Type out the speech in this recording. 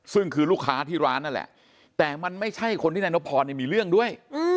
ซึ่งคือลูกค้าที่ร้านนั่นแหละแต่มันไม่ใช่คนที่นายนพรมีเรื่องด้วย